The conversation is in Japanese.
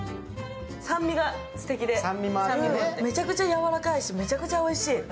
酸味が素敵で、めちゃくちゃやわらかいし、めちゃくちゃおいしい。